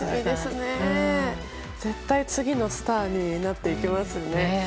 絶対に次のスターになっていきますよね。